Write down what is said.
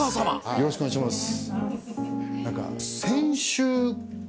よろしくお願いします。